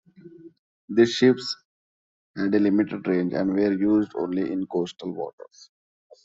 These ships had a limited range and were used only in coastal waters.